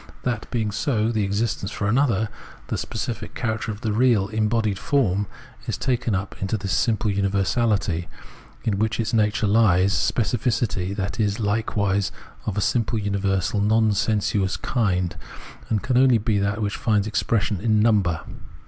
That being so, the exist ence for another, the specific character of the real embodied form, is taken up into this simple univer sahty, in which its nature lies, a specificity that is likewise of a simple universal non sensuous kind, and can only be that which finds expression in number.